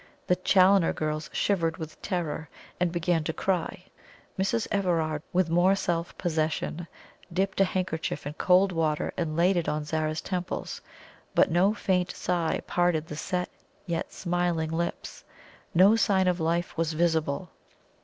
The Challoner girls shivered with terror, and began to cry. Mrs. Everard, with more self possession, dipped a handkerchief in cold water and laid it on Zara's temples; but no faint sigh parted the set yet smiling lips no sign of life was visible.